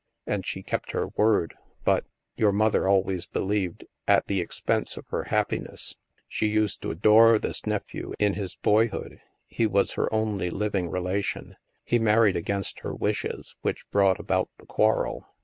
And she kept her word but, your mother always believed, at the expense of her happiness. She used to adore this nephew in his boyhood ; he was her only living re lation. He married against her wishes, which brought about the quarrel.